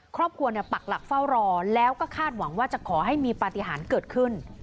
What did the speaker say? ครอบครัวปักหลักเฝ้ารอแล้วก็คาดหวังว่าจะขอให้มีปฏิหารเกิดขึ้น